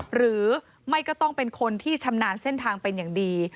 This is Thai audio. หรือไม่ก็ต้องเป็นคนที่ชำนาญเส้นทางเป็นอย่างดี